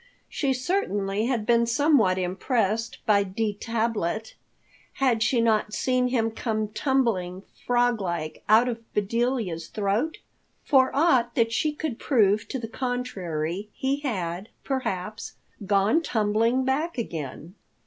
She certainly had been somewhat impressed by D. Tablet. Had she not seen him come tumbling, frog like, out of Bedelia's throat? For aught that she could prove to the contrary, he had, perhaps, gone tumbling back again.